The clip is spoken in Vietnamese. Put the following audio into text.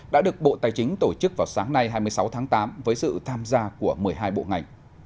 đã được bộ tài chính tổ chức vào sáng nay hai mươi sáu tháng tám với sự tham gia của một mươi hai bộ ngành